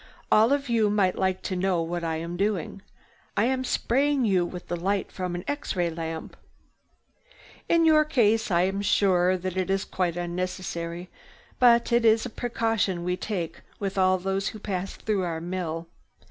"All of you might like to know what I am doing. I am spraying you with the light from an X ray lamp. "In your case I am sure it is quite unnecessary. But it is a precaution we take with all those who pass through our mill.